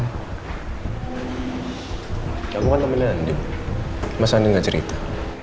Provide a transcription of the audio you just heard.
kamu kan temenin andin masa andin enggak cerita